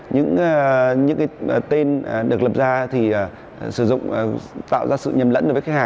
những tên được lập ra thì tạo ra sự nhầm lẫn với khách hàng